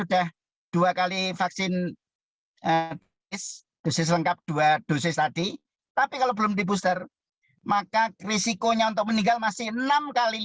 dan kini sudah menjadi transmisi lokal